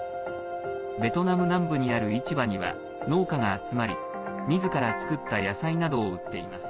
ベトナム南部にある市場には農家が集まりみずから作った野菜などを売っています。